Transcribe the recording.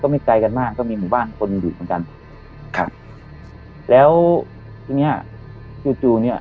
ไม่ไกลกันมากก็มีหมู่บ้านคนอยู่เหมือนกันครับแล้วทีเนี้ยจู่จู่เนี้ย